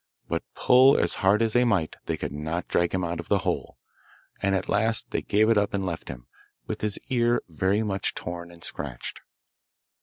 But pull as hard as they might they could not drag him out of the hole, and at last they gave it up and left him, with his ear very much torn and scratched.